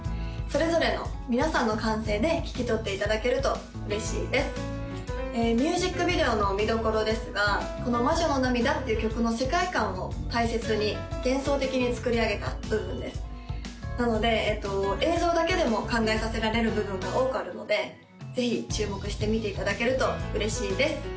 それぞれの皆さんの感性で聴き取っていただけると嬉しいですミュージックビデオの見どころですがこの「まじょの涙」っていう曲の世界観を大切に幻想的に作り上げた部分ですなので映像だけでも考えさせられる部分が多くあるのでぜひ注目して見ていただけると嬉しいです